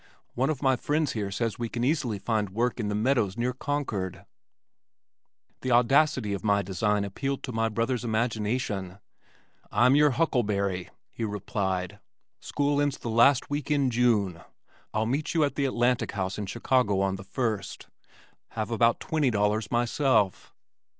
One of my friends here says we can easily find work in the meadows near Concord." The audacity of my design appealed to my brother's imagination. "I'm your huckleberry!" he replied. "School ends the last week in June. I'll meet you at the Atlantic House in Chicago on the first. Have about twenty dollars myself."